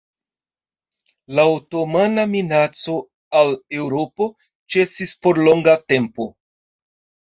La otomana minaco al Eŭropo ĉesis por longa tempo.